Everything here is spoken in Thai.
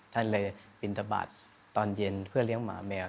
ท่านเลยบินทบาทตอนเย็นเพื่อเลี้ยงหมาแมว